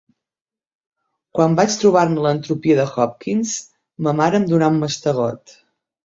Quan vaig trobar-ne l'entropia de Hawkings ma mare em donà un mastegot